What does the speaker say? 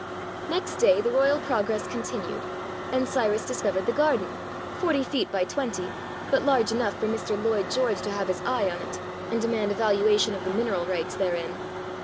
Next day the Royal progress continued, and Cyrus discovered the garden (forty feet by twenty, but large enough for Mr. Lloyd George to have his eye on it, and demand a valuation of the mineral rights therein).